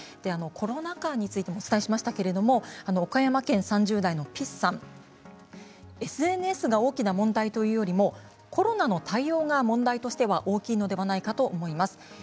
コロナ禍についてもお伝えしましたが岡山県３０代の方ＳＮＳが大きな問題というよりコロナの対応が問題としては大きいのではないかと思います。